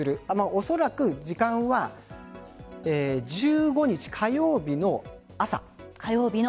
おそらく、時間は１５日火曜日の朝。